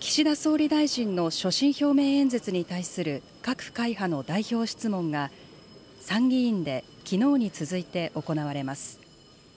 岸田総理大臣の所信表明演説に対する各会派の代表質問が、参議院できのうに続いて行われます。